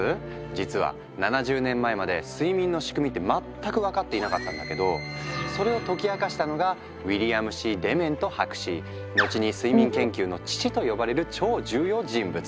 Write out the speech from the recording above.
実は７０年前まで睡眠の仕組みって全く分かっていなかったんだけどそれを解き明かしたのが後に睡眠研究の父と呼ばれる超重要人物！